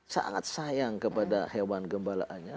sangat sayang kepada hewan gembalaannya